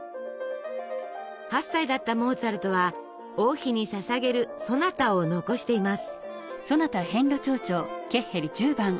８歳だったモーツァルトは王妃にささげるソナタを残しています。